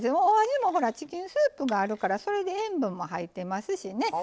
お味もほらチキンスープがあるからそれで塩分も入ってますしね。